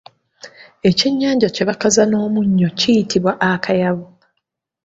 Ekyennyanja kye bakaza n'omunnyo kiyitibwa Akayabu.